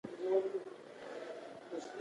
زړه ټول بدن ته وینه پمپ کوي